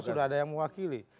sudah ada yang mewakili